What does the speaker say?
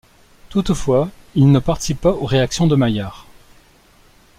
Toutefois, il ne participe pas aux réactions de Maillard.